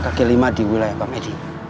kaki lima di wilayah bang edi